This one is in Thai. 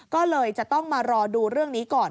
ก็เลยจะต้องมารอดูเรื่องนี้ก่อน